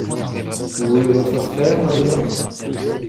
Où est votre frère maintenant ?